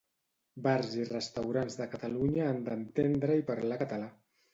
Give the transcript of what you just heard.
Bars i restaurants de Catalunya han d'entendre i parlar català